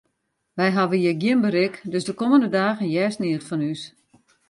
Wy hawwe hjir gjin berik, dus de kommende dagen hearst neat fan ús.